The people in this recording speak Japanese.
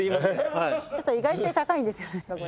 ちょっと意外性高いんですよねこれ。